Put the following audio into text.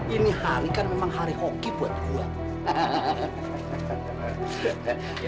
ini hari kan memang hari hoki buat gue